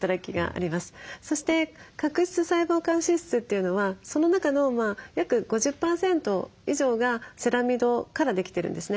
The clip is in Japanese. そして角質細胞間脂質というのはその中の約５０％以上がセラミドからできてるんですね。